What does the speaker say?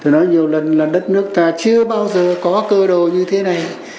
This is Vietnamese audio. nói nhiều lần là đất nước ta chưa bao giờ có cơ đồ như thế này